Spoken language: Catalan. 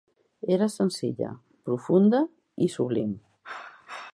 Era senzilla, profunda i sublim.